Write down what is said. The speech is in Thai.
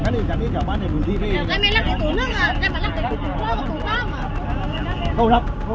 ก็ไม่มีอำนาจ